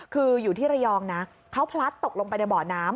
คืออยู่ที่ระยองนะเขาพลัดตกลงไปในบ่อน้ำ